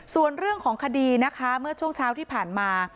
ส่วนเรื่องของคดีนะคะเมื่อช่วงเช้าที่ผ่านมา